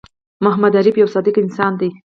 محمد عارف یوه صادق انسان دی